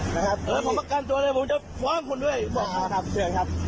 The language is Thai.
นะครับเออผมประกันตัวเลยผมจะฟ้องคนด้วยอ่าครับเชื่อครับ